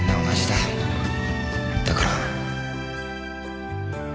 だから